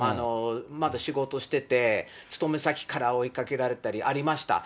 まだ仕事してて、勤め先から追いかけられたり、ありました。